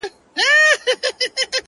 یعني جهاني صاحب سره له دې چي